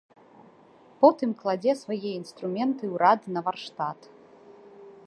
Потым кладзе свае інструменты ў рад на варштат.